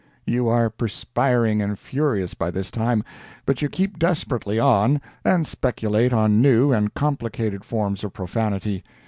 You are perspiring and furious by this time, but you keep desperately on, and speculate on new and complicated forms of profanity.